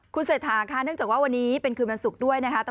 คุณเสถาเนื่องจากว่าวันนี้เป็นคืนบรรศุกร์ด้วย